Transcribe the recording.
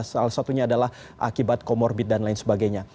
salah satunya adalah akibat comorbid dan lain sebagainya